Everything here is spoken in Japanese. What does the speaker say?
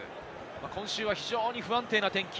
今週は非常に不安定な天気。